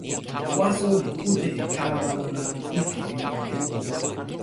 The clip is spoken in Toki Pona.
waso li kute e kalama ona pi pilin ike.